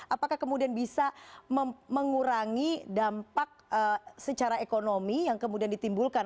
apakah kemudian bisa mengurangi dampak secara ekonomi yang kemudian ditimbulkan